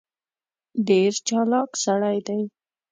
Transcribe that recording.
ډېر چالاک سړی دی.